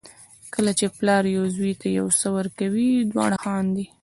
کله چې پلار یو زوی ته یو څه ورکوي دواړه خاندي.